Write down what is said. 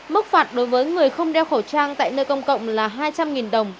mức phạt đối với người không đeo khẩu trang tại nơi công cộng là hai trăm linh đồng